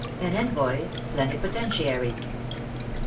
AN ENVOY PLENIPOTENTIARY.